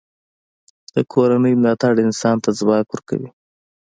د کورنۍ ملاتړ انسان ته ځواک ورکوي.